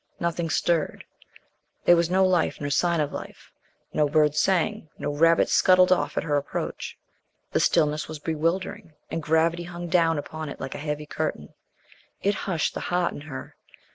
Nothing stirred. There was no life nor sign of life; no birds sang; no rabbits scuttled off at her approach. The stillness was bewildering, and gravity hung down upon it like a heavy curtain. It hushed the heart in her.